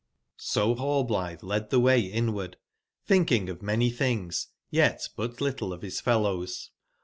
jORallblitbeled tbcway inward, thinking of many things, yet but little of his fellows.